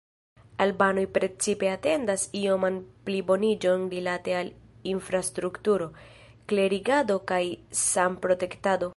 Albanoj precipe atendas ioman pliboniĝon rilate al infrastrukturo, klerigado kaj sanprotektado.